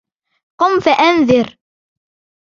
قُمْ فَأَنذِرْ